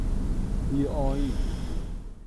بی آئین